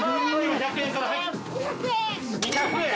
２００円。